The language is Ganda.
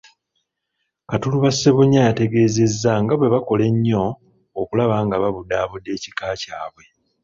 Katuluba Ssebunnya yategeezezza nga bwe bakola ennyo okulaba nga babudaabuda ekika kyabwe.